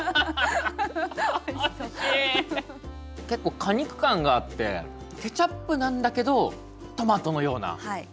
結構果肉感があってケチャップなんだけどトマトのような。